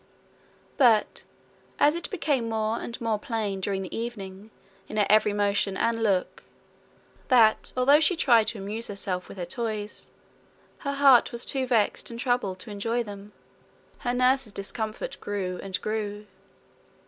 But, as it became more and more plain during the evening in her every motion and look, that, although she tried to amuse herself with her toys, her heart was too vexed and troubled to enjoy them, her nurse's discomfort grew and grew.